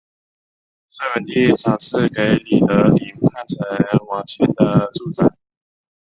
隋文帝赏赐给李德林叛臣王谦的住宅。